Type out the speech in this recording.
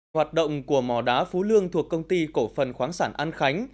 hoạt động của mò đá phú lương thuộc công ty cổ phần khoáng sản an khánh